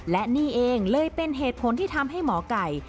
และนี่เองเลยเป็นเหตุผลที่ทำให้หมอไก่